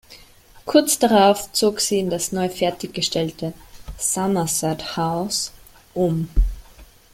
Kurz darauf zog sie in das neu fertiggestellte Somerset House um.